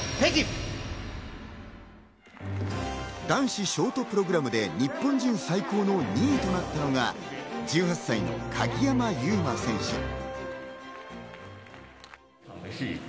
男子ショートプログラムで日本人最高の２位となったのが、１８歳の鍵山優真選手。